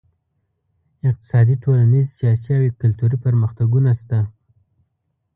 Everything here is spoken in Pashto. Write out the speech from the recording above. اقتصادي، ټولنیز، سیاسي او کلتوري پرمختګونه شته.